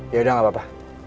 yaudah gak apa apa